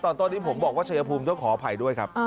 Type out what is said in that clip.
ตอนนี้ผมบอกว่าชายภูมิต้องขออภัยด้วยครับ